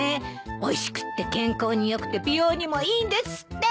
おいしくって健康に良くて美容にもいいんですって。